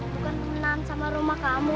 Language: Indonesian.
bukan pengenan sama rumah kamu